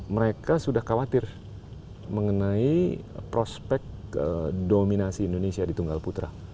mereka sudah khawatir mengenai prospek dominasi indonesia di tunggal putra